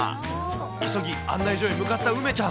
急ぎ、案内所へ向かった梅ちゃん。